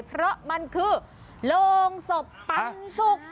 เพราะมันคือโรงศพปันสุก